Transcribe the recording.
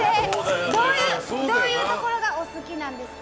どういうところがお好きなんですか？